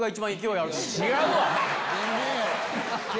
違うわ！